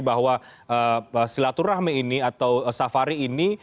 bahwa silaturahmi ini atau safari ini